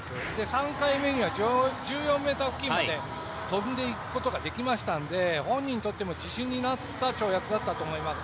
３回目には１４ｍ付近まで飛んでいくことができましたので本人にとっても自信になった跳躍だと思います。